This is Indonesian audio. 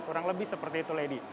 kurang lebih seperti itu lady